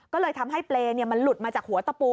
ก็เลยทำให้เปรย์มันหลุดมาจากหัวตะปู